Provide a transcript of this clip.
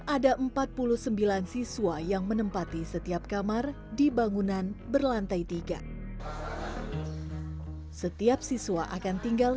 ada empat puluh sembilan siswa yang menempati setiap kamar di bangunan berlantai tiga setiap siswa akan tinggal